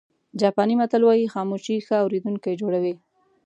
جاپاني متل وایي خاموشي ښه اورېدونکی جوړوي.